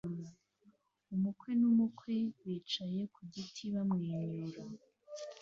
Umukwe n'umukwe bicaye ku giti bamwenyura